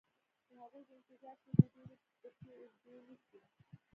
د هغوی د انتظار شېبې ډېرې پسې اوږدې نه شوې